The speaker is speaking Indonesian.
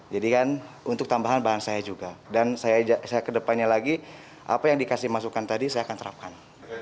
jadi kan untuk tambahan bahan saya juga dan saya ke depannya lagi apa yang dikasih masukan tadi saya akan terapkan